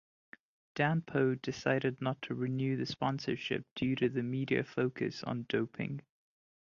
Danpo decided not to renew the sponsorship due to the media focus on doping.